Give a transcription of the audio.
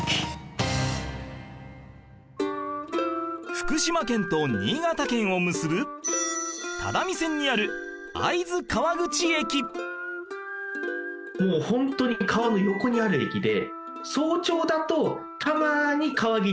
福島県と新潟県を結ぶ只見線にあるもうホントに川の横にある駅で。